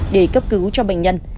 để cấp cứu cho bệnh nhân